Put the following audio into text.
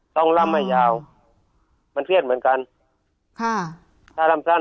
ต้องล่ำให้ยาวมันเครียดเหมือนกันค่ะถ้าร่ำสั้น